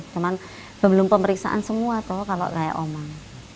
cuman belum pemeriksaan semua toh kalau kayak omang